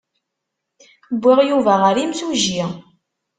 Wwiɣ Yuba ɣer yimsujji.